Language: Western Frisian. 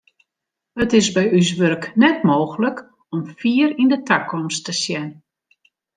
It is by ús wurk net mooglik om fier yn de takomst te sjen.